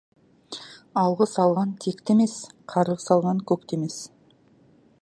Алғыс алған текті емес, қарғыс алған көктемес.